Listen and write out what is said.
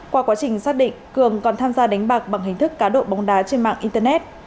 qua quá trình xác định cường còn tham gia đánh bạc bằng hình thức cá độ bóng đá trên mạng internet